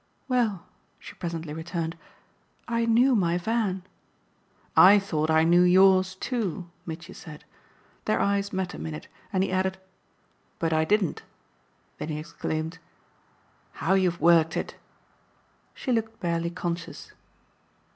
"Well," she presently returned, "I knew my Van!" "I thought I knew 'yours' too," Mitchy said. Their eyes met a minute and he added: "But I didn't." Then he exclaimed: "How you've worked it!" She looked barely conscious.